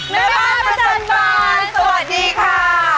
แม่บ้านประจำบานสวัสดีค่ะ